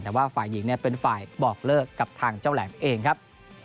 แต่ว่าฝ่ายหญิงเป็นฝ่ายบอกเลิกกับทางเจ้าแหลมเองครับ